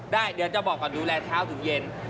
เดี๋ยวจะบอกก่อนดูแลเช้าถึงเย็น